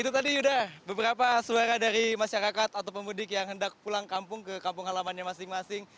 itu tadi sudah beberapa suara dari masyarakat atau pemudik yang hendak pulang kampung ke kampung halamannya masing masing